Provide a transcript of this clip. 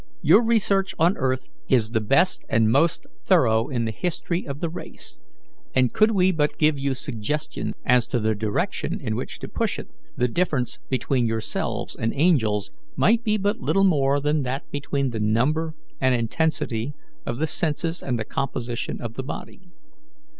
"Your research on earth is the best and most thorough in the history of the race; and could we but give you suggestions as to the direction in which to push it, the difference between yourselves and angels might be but little more than that between the number and intensity of the senses and the composition of the body.